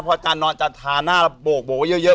พออาจารย์นอนจะถาหน้าโบกเยอะ